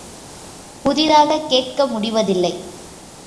புதிதாகக் கேட்க முடிவதில்லை.